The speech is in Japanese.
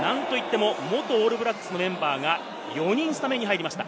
元オールブラックスのメンバーが４人スタメンに入りました。